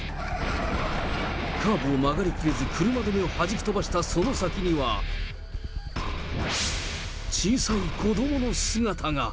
カーブを曲がりきれず、車止めをはじき飛ばしたその先には、小さい子どもの姿が。